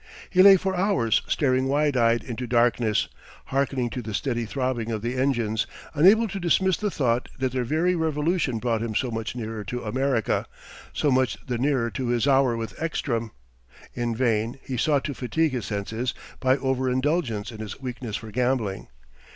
He lay for hours staring wide eyed into darkness, hearkening to the steady throbbing of the engines, unable to dismiss the thought that their every revolution brought him so much nearer to America, so much the nearer to his hour with Ekstrom. In vain he sought to fatigue his senses by over indulgence in his weakness for gambling.